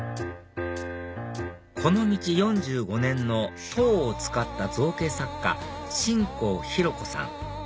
この道４５年の籐を使った造形作家信耕ヒロ子さん